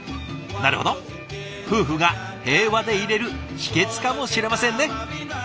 なるほど夫婦が平和でいれる秘けつかもしれませんね。